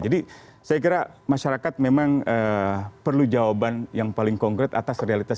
jadi saya kira masyarakat memang perlu jawaban yang paling konkret atas realitas